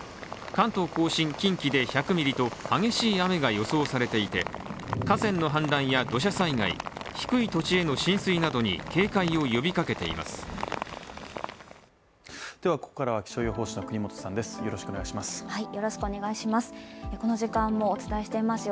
関東甲信、近畿で１００ミリと激しい雨が予想されていて河川の氾濫や土砂災害、低い土地への浸水などに警戒を呼びかけています。